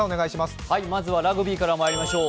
まずはラグビーからまいりましょう。